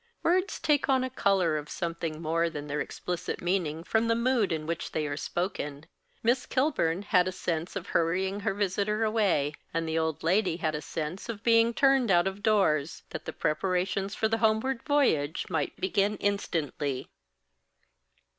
Words take on a colour of something more than their explicit meaning from the mood in which they are spoken: Miss Kilburn had a sense of hurrying her visitor away, and the old lady had a sense of being turned out of doors, that the preparations for the homeward voyage might begin instantly.